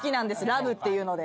ラブっていうので。